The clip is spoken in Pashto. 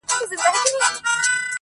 بس لکه تندر پر مځکه لوېږې!!